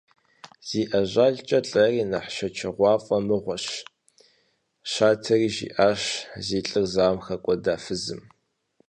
Зи ажалкӀэ лӀэри нэхъ шэчыгъуафӀэ мыгъуэщ, – щатэри жиӀащ зи лӀыр зауэм хэкӀуэда фызым.